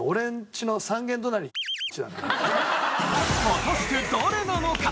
果たして誰なのか？